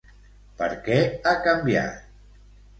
Per què ha canviat?